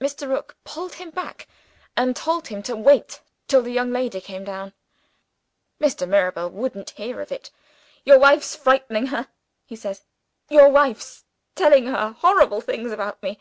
Mr. Rook pulled him back, and told him to wait till the young lady came down. Mr. Mirabel wouldn't hear of it. 'Your wife's frightening her,' he says; 'your wife's telling her horrible things about me.